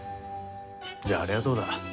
じゃああれはどうだ。